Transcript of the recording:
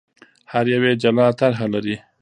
هر یو یې جلا طرح لري.